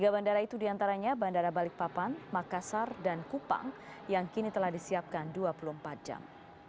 tiga bandara itu diantaranya bandara balikpapan makassar dan kupang yang kini telah disiapkan dua puluh empat jam